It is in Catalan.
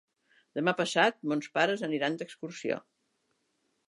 Demà passat mons pares aniran d'excursió.